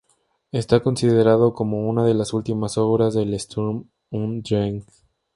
Está considerado como una de las últimas obras del "Sturm und Drang".